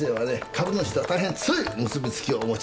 株主とは大変強い結び付きをお持ちなもんですから。